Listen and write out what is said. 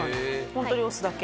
ホントに押すだけ。